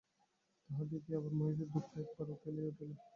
তাহা দেখিয়া আবার মহিষীর দুঃখ একেবারে উথলিয়া উঠিল।